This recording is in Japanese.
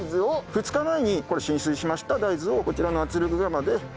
２日前にこれ浸水しました大豆をこちらの圧力釜で蒸します。